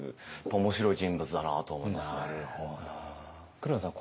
黒田さん